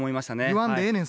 言わんでええねん